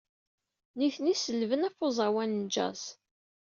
Nitni selben ɣef uẓawan n jazz.